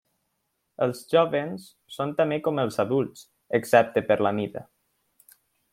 Els joves són també com els adults, excepte per la mida.